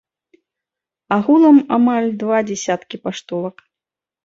Агулам амаль два дзясяткі паштовак.